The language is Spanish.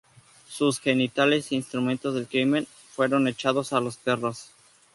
Sus genitales, instrumentos del crimen, fueron echados a los perros.